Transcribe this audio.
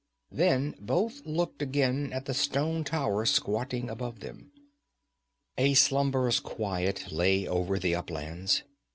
Then both looked again at the stone tower squatting above them. A slumberous quiet lay over the uplands.